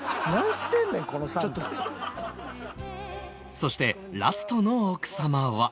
そしてラストの奥様は